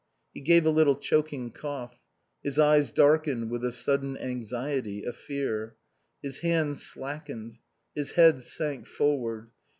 He gave a little choking cough. His eyes darkened with a sudden anxiety, a fear. His hand slackened. His head sank forward.